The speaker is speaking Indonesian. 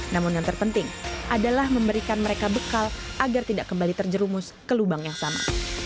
namun yang terpenting adalah memberikan mereka bekal agar tidak kembali terjerumus ke lubang yang sama